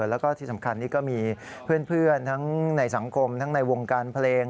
แล้วก็ที่สำคัญนี่ก็มีเพื่อนทั้งในสังคมทั้งในวงการเพลง